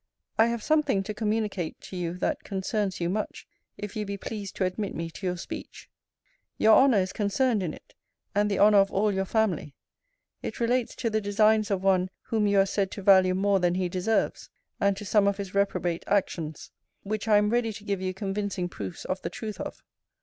I have something to communicat to you that concernes you much, if you be pleased to admit me to youre speech. Youre honour is concerned in it, and the honour of all youre familly. It relates to the designes of one whom you are sed to valew more than he desarves; and to some of his reprobat actions; which I am reddie to give you convincing proofes of the truth of.